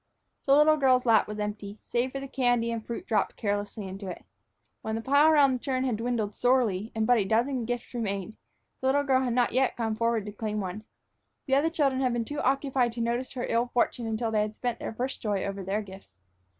The little girl's lap was empty, save for the candy and fruit dropped carelessly into it. When the pile around the churn had dwindled sorely and but a dozen gifts remained, the little girl had not yet gone forward to claim one. The other children had been too occupied to notice her ill fortune until they had spent their first joy over their gifts.